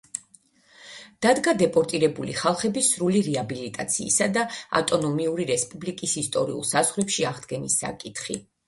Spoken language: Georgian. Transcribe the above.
დადგა დეპორტირებული ხალხების სრული რეაბილიტაციისა და ავტონომიური რესპუბლიკის ისტორიულ საზღვრებში აღდგენის საკითხი.